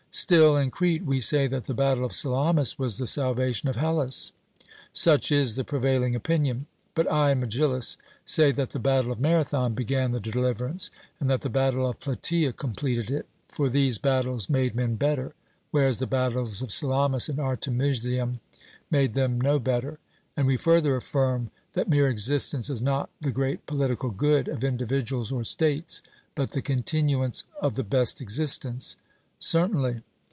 'Still, in Crete we say that the battle of Salamis was the salvation of Hellas.' Such is the prevailing opinion. But I and Megillus say that the battle of Marathon began the deliverance, and that the battle of Plataea completed it; for these battles made men better, whereas the battles of Salamis and Artemisium made them no better. And we further affirm that mere existence is not the great political good of individuals or states, but the continuance of the best existence. 'Certainly.'